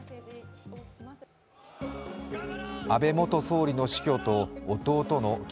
安倍元総理の死去と弟の岸